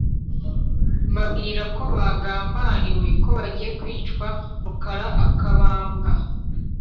mbabwira ko bagambaniwe ko bagiye kwicwa rukara akabambwa.